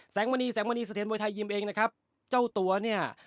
มณีแสงมณีเสถียรมวยไทยยิมเองนะครับเจ้าตัวเนี่ย